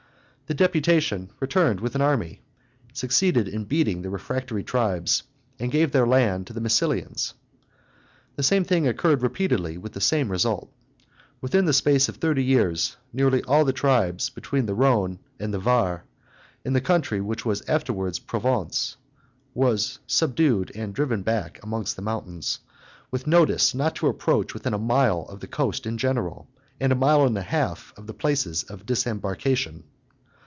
The deputation returned with an army, succeeded in beating the refractory tribes, and gave their land to the Massilians. The same thing occurred repeatedly with the same result. Within the space of thirty years nearly all the tribes between the Rhone and the Var, in the country which was afterwards Provence, were subdued and driven back amongst the mountains, with notice not to approach within a mile of the coast in general, and a mile and a half of the places of disembarkation.